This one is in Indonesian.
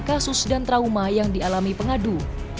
kasus dan trauma yang dialami pengadu